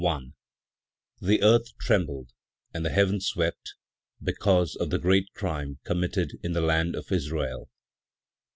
The earth trembled and the heavens wept, because of the great crime committed in the land of Israel.